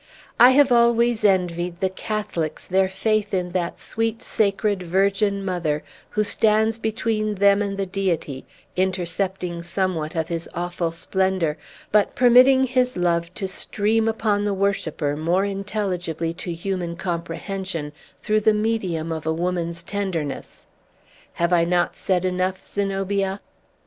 I have always envied the Catholics their faith in that sweet, sacred Virgin Mother, who stands between them and the Deity, intercepting somewhat of his awful splendor, but permitting his love to stream upon the worshipper more intelligibly to human comprehension through the medium of a woman's tenderness. Have I not said enough, Zenobia?"